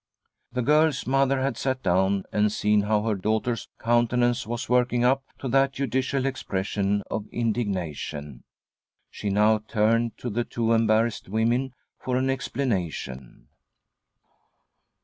The girl's mother had sat down and seen how her daughter's "countenance was working up to that judicial expression of indignation. She now turned to the two embarrassed women for an explanation.